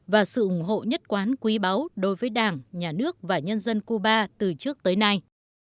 và sự ủng hộ nhất quán quý báu đối với đảng nhà nước và nhân dân cuba từ trước tới nay